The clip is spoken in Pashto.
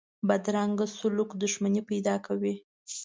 بدرنګه سلوک دښمني پیدا کوي